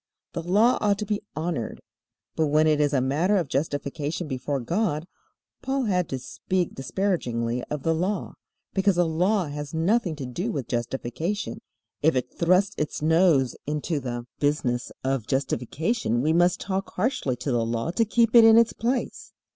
The Law ought to be honored. But when it is a matter of justification before God, Paul had to speak disparagingly of the Law, because the Law has nothing to do with justification. If it thrusts its nose into the business of justification we must talk harshly to the Law to keep it in its place.